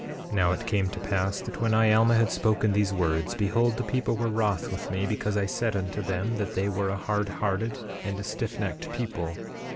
9:31 Now it came to pass that when I, Alma, had spoken these words, behold, the people were wroth with me because I said unto them that they were a hard hearted and a stiffnecked people.